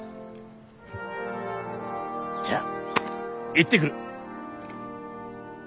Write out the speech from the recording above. じゃあ行ってくる。